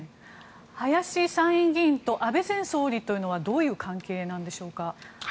林参院議員と安倍前総理とはどういう関係なのでしょうか。